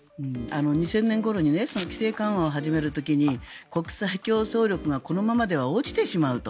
２０００年ごろに規制緩和を始める時に国際競争力がこのままでは落ちてしまうと。